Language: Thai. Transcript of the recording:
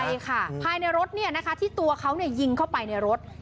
ใช่ค่ะภายในรถเนี่ยนะคะที่ตัวเขาเนี่ยยิงเข้าไปในรถ